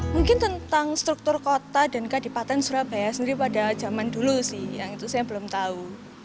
mungkin tentang struktur kota dan kadipaten surabaya sendiri pada zaman dulu sih yang itu saya belum tahu